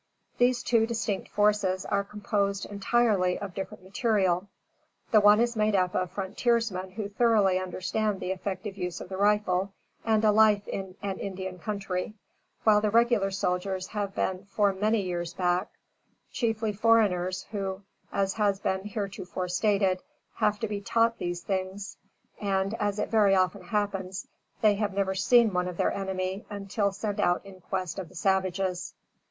These two distinct forces are composed, entirely, of different material. The one is made up of frontiersmen who thoroughly understand the effective use of the rifle, and a life in an Indian country, while the regular soldiers have been, for many years back, chiefly foreigners who, as has been heretofore stated, have to be taught these things; and, as it very often happens, they have never seen one of their enemy until sent out in quest of the savages.